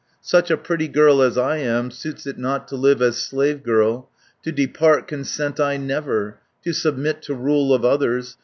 210 Such a pretty girl as I am, Suits it not to live as slave girl, To depart consent I never, To submit to rule of others.